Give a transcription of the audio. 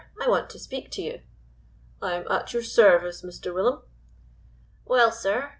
I want to speak to you." "I am at your service, Mr. Willum." "Well, sir.